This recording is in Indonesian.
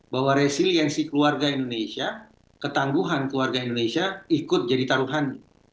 bahwa resiliensi keluarga indonesia ketangguhan keluarga indonesia ikut jadi taruhan